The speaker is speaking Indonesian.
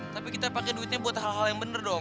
tapi kita pakai duitnya buat hal hal yang bener dong